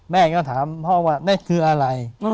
แม่ก็ถามพ่อว่าแม่คืออะไร